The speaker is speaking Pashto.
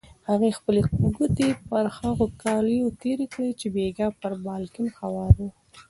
هغې خپلې ګوتې پر هغو کالیو تېرې کړې چې بېګا پر بالکن هوار وو.